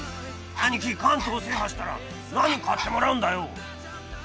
アニキ関東制覇したら何買ってもらうんだよ